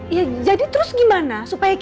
ya jadi terus gimana